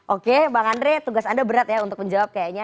oke bang andre tugas anda berat ya untuk menjawab kayaknya